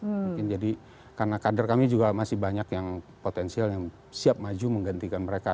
mungkin jadi karena kader kami juga masih banyak yang potensial yang siap maju menggantikan mereka